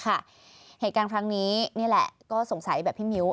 เหตุการณ์ครั้งนี้นี่แหละก็สงสัยแบบพี่มิ้ว